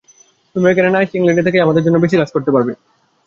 তুমি এখানে না এসে ইংলণ্ডে থেকেই আমাদের জন্য বেশী কাজ করতে পারবে।